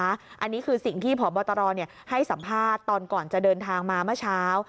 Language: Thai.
อันนี้คือสิ่งที่พบตรให้สัมภาษณ์ตอนก่อนจะเดินทางมาเมื่อเช้า